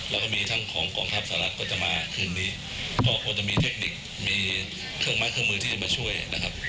แล้วก็มีทั้งของกองทัพสหรัฐก็จะมาคืนนี้ก็ควรจะมีเทคนิคมีเครื่องไม้เครื่องมือที่จะมาช่วยนะครับ